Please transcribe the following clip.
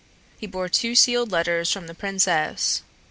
He bore two sealed letters from the princess.